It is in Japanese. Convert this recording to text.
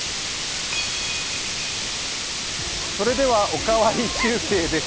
「おかわり中継」です。